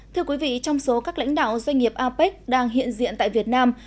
thưa quý vị trong số các lãnh đạo doanh nghiệp apec đang hiện diện tại việt nam